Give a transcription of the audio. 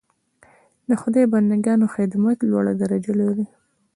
د خدای بنده ګانو خدمت لوړه درجه لري.